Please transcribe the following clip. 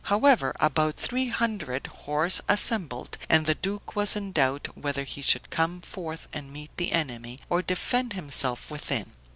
However, about three hundred horse assembled, and the duke was in doubt whether he should come forth and meet the enemy, or defend himself within.